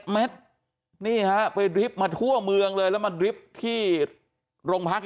เม็ดนี่ฮะไปดริบมาทั่วเมืองเลยแล้วมาดริบที่โรงพัก